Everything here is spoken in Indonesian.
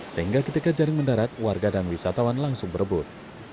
sehingga ketika jaring mendarat warga dan wisatawan langsung berebut